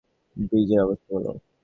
ব্রিজের অবস্থা বলো।